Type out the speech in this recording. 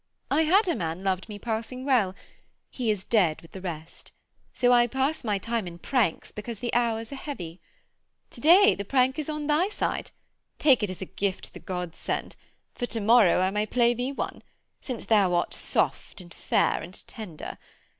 I had a man loved me passing well. He is dead with the rest; so I pass my time in pranks because the hours are heavy. To day the prank is on thy side; take it as a gift the gods send, for to morrow I may play thee one, since thou art soft, and fair, and tender.